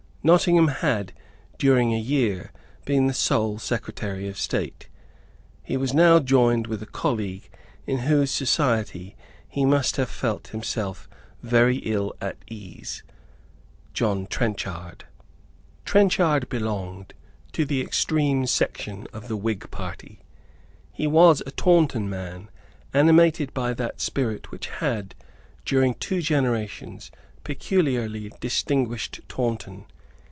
Nottingham had, during a year, been the sole Secretary of State. He was now joined with a colleague in whose society he must have felt himself very ill at ease, John Trenchard. Trenchard belonged to the extreme section of the Whig party. He was a Taunton man, animated by that spirit which had, during two generations, peculiarly distinguished Taunton.